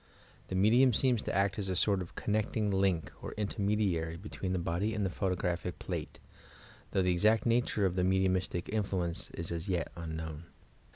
The aiedhni seeBs to act as a aoit of oonnectin^ link or inleniediarT betveen the body and the photoeraphie plate, thoo^ the exael nature of the mediiuniitie infio enee is at jet unknown.